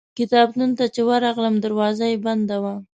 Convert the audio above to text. کتابتون ته چې ورغلم دروازه یې بنده وه.